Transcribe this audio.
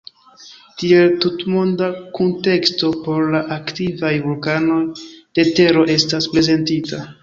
Tiel, tutmonda kunteksto por la aktivaj vulkanoj de tero estas prezentita.